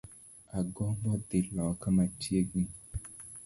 Agombo dhii loka machiegni